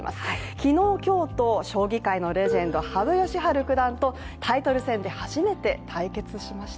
昨日、今日と将棋界のレジェンド羽生善治九段とタイトル戦で初めて対決しました。